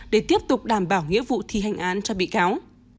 để tiếp tục đảm bảo nghĩa vụ thi hành án cho bị cáo